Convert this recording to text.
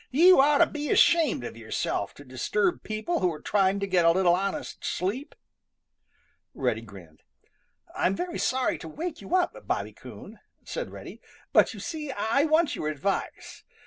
"You ought to be ashamed of yourself to disturb people who are trying to get a little honest sleep." Reddy grinned. "I'm very sorry to wake you up, Bobby Coon," said Reddy, "but you see I want your advice.